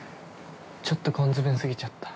ちょっと根詰め過ぎちゃった。